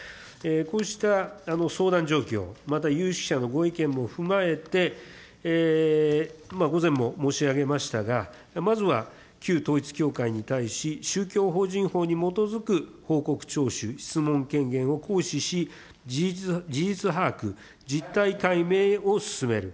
こうした相談状況、また有識者のご意見も踏まえて、午前も申し上げましたが、まずは旧統一教会に対し、宗教法人法に基づく報告聴取、質問権限を行使し、事実把握、実態解明を進める。